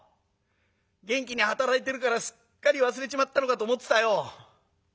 元気に働いてるからすっかり忘れちまったのかと思ってたよ。